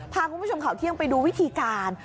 พาคุณผู้ชมข่าวเที่ยงไปดูวิธีการ